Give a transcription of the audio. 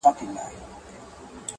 • دا سل ځله رژېدلی خزانونو آزمېیلی -